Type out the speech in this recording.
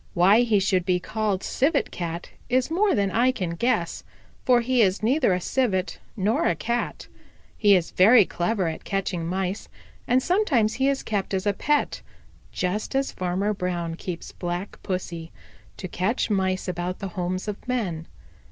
Why he should be called Civet Cat is more than I can guess, for he is neither a Civet nor a Cat. He is very clever at catching Mice, and sometimes he is kept as a pet, just as Farmer Brown keeps Black Pussy, to catch the Mice about the homes of men.